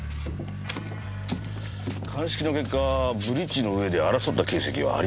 鑑識の結果ブリッジの上で争った形跡はありませんでした。